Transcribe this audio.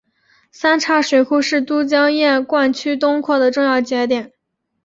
三岔水库是都江堰灌区东扩的重要节点。